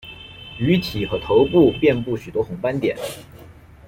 鱼体和头部遍布许多红斑点。